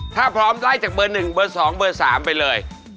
ถ้าพร้อมไล่จากเบอร์๑เบอร์๒เบอร์๓ไปเลย